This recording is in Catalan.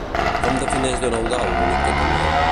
Com defineix don Eudald l'únic que tenia?